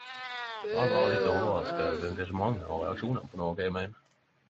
Var berre litt overraska over engasjementet og reaksjonane på noko eg meiner.